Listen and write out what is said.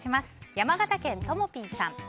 山形県の方。